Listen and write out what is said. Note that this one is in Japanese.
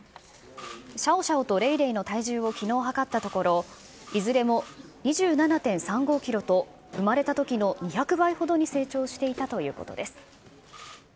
シャオシャオとレイレイの体重をきのう測ったところ、いずれも２７．３５キロと、生まれたときの２００倍ほどに成長していたということです。